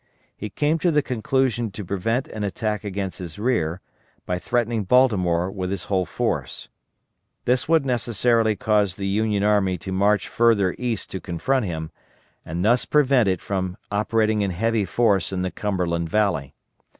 He came to the conclusion to prevent an attack against his rear by threatening Baltimore with his whole force. This would necessarily cause the Union army to march further east to confront him, and thus prevent it from operating in heavy force in the Cumberland Valley.